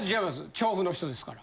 調布の人ですから。